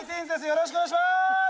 よろしくお願いします